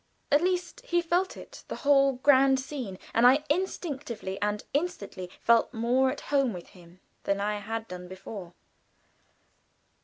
At least he felt it the whole grand scene, and I instinctively and instantly felt more at home with him than I had done before.